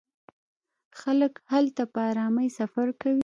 خلک هلته په ارامۍ سفر کوي.